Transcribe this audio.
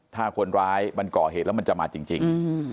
ถ้าคนร้ายมันก่อเหตุแล้วมันจะมาจริง